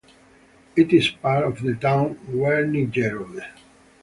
It is part of the town Wernigerode.